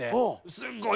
すんごい